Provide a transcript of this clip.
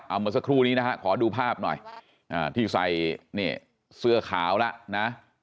เอาเมื่อสักครู่นี้นะฮะขอดูภาพหน่อยที่ใส่เนี่ยเสื้อขาวแล้วนะ